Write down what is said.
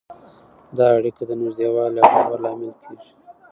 دا اړیکه د نږدېوالي او باور لامل کېږي.